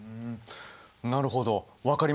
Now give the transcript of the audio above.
なるほど分かりました。